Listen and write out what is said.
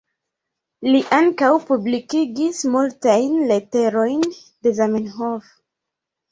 Li ankaŭ publikigis multajn leterojn de Zamenhof.